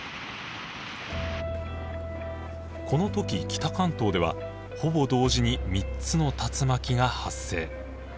この時北関東ではほぼ同時に３つの竜巻が発生。